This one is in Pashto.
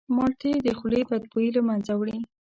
مالټې د خولې بدبویي له منځه وړي.